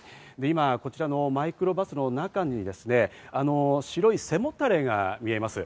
今、こちらのマイクロバスの中に白い背もたれが見えます。